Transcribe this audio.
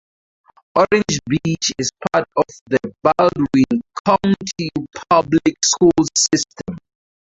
Orange Beach is part of the Baldwin County Public Schools system.